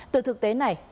từ thực tế này